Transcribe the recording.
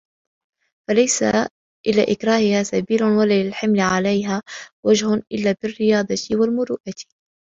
فَلَيْسَ إلَى إكْرَاهِهَا سَبِيلٌ وَلَا لِلْحَمْلِ عَلَيْهَا وَجْهٌ إلَّا بِالرِّيَاضَةِ وَالْمُرُوءَةِ